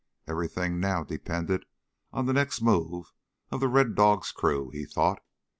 Everything now depended on the next move of the Red Dog's crew, he thought.